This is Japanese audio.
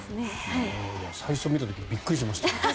最初見た時びっくりしました。